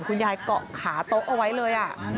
คุณยายเกาะขาตกเอาไว้เลย